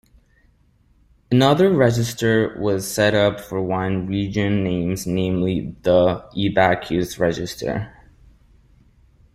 Another register was set up for wine region names, namely the E-Bacchus register.